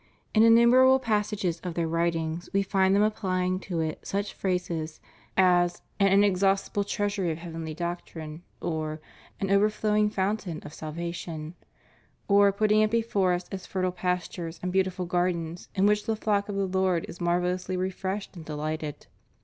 In innumerable passages of their writings we find them applying to it such phrases as an inexhaust ible treasury of heavenly doctrine,^ or an overflotoing foun tain of salvation,^ or putting it before us as fertile pas tures and beautiful gardens in which the flock of the Lord is marvellously refreshed and delighted.'